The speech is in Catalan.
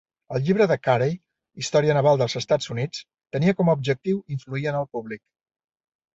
El llibre de Carey, Història naval dels Estats Units, tenia com a objectiu influir en el públic.